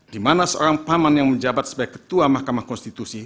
di mana seorang paman yang menjabat sebagai ketua mahkamah konstitusi